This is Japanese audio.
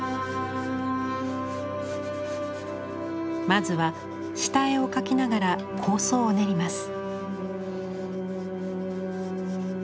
まずは下絵を描きながら構想を練ります。